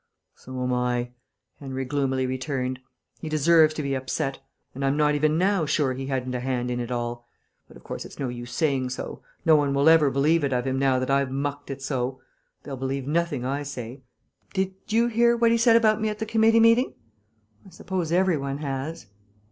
"So am I," Henry gloomily returned. "He deserves to be upset. And I'm not even now sure he hadn't a hand in it all.... But of course it's no use saying so. No one will ever believe it of him now that I've mucked it so. They'll believe nothing I say.... Did you hear what he said about me at the committee meeting? I suppose every one has."